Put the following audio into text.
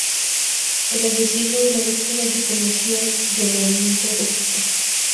El asesino y la víctima se conocían del Movimiento Okupa.